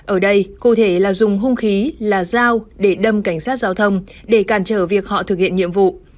ở đây cụ thể là dùng hung khí là dao để đâm cảnh sát giao thông để cản trở việc họ thực hiện nhiệm vụ